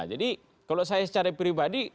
jadi kalau saya secara pribadi